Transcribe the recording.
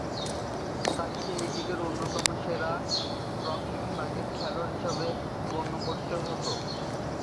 তাঁকে তাঁর যুগের অন্যতম সেরা রক্ষণভাগের খেলোয়াড় হিসেবে গণ্য করা হতো।